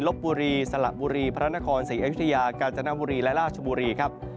บุรีสละบุรีพระนครศรีอยุธยากาญจนบุรีและราชบุรีครับ